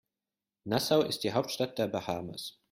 Nassau ist die Hauptstadt der Bahamas.